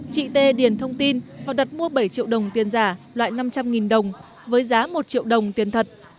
chị t điền thông tin và đặt mua bảy triệu đồng tiền giả loại năm trăm linh đồng với giá một triệu đồng tiền thật